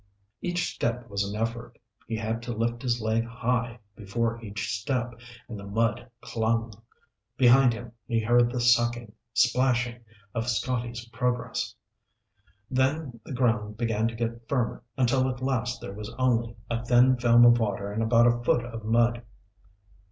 Each step was an effort. He had to lift his leg high before each step, and the mud clung. Behind him, he heard the sucking, splashing, of Scotty's progress. Then the ground began to get firmer until at last there was only a thin film of water and about a foot of mud.